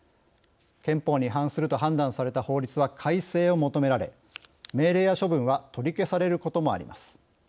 憲法に違反すると判断された法律は改正を求められ命令や処分は取り消されることもあります。